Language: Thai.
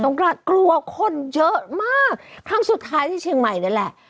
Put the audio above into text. กลางกลัวคนเยอะมากครั้งสุดท้ายที่เชียงใหม่นั่นแหละ